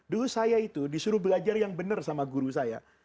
dulu saya itu disuruh belajar yang benar sama guru saya